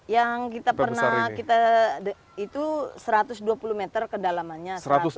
yang kita pernah itu satu ratus dua puluh meter kedalamannya